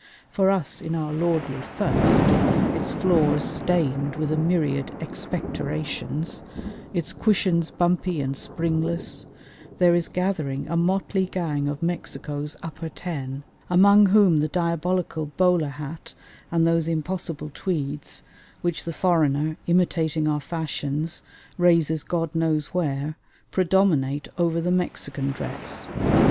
For us in our lordly "first" its floors stained with a myriad expectorations, its cushions bumpy and springless there is gathering a motley gang of Mexico's upper ten, among whom the diabolical bowler hat and those impossible tweeds, which the foreigner, imitating our fashions, raises God knows where, predominate over the Mexican dress.